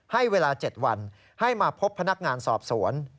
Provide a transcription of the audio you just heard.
ให้เวลา๗วันให้มาพบพนักงานสอบสวน